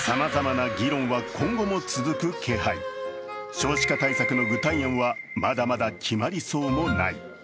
少子化対策の具体案はまだまだ決まりそうもない。